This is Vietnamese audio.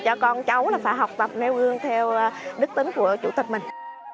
cho con cháu là phải học tập nêu gương theo đức tính của chủ tịch mình